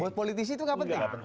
buat politisi itu gak penting